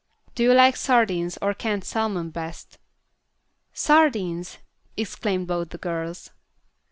Do you like sardines or canned salmon best?" "Sardines!" exclaimed both the girls.